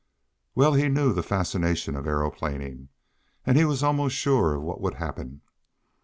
Well he knew the fascination of aeroplaning, and he was almost sure of what would happen.